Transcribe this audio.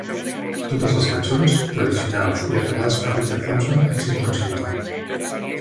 Totes les cançons tradicionals i arreglades per Richard Thompson excepte on s'indiqui.